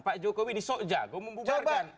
pak jokowi ini sok jago membuarkan